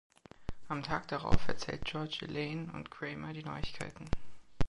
Am Tag darauf erzählt George Elaine und Kramer die Neuigkeiten.